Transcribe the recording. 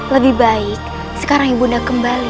lebih baik sekarang ibu nda kembali